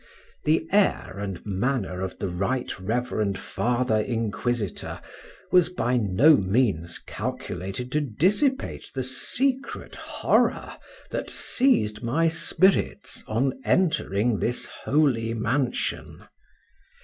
The air and manner of the right reverend Father Inquisitor was by no means calculated to dissipate the secret horror that seized my spirits on entering this holy mansion.